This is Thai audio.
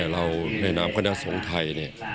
เรางามขนาดสงฆ์ทัย